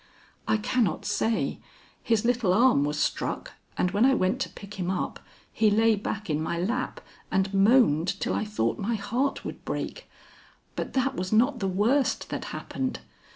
"I cannot say; his little arm was struck, and when I went to pick him up, he lay back in my lap and moaned till I thought my heart would break. But that was not the worst that happened.